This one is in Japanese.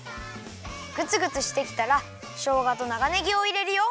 グツグツしてきたらしょうがと長ねぎをいれるよ。